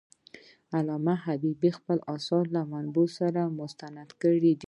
علامه حبيبي خپل آثار له منابعو سره مستند کړي دي.